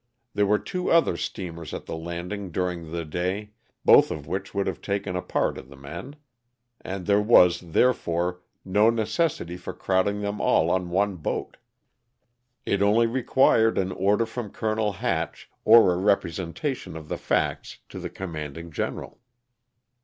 There were two other steamers at the landing during the day, both of which would have taken a part of the men, and there was, therefore, no necessity for crowding them all on one boat ; it only required an order from Colonel Hatch, or a representation of the facts to the com manding general.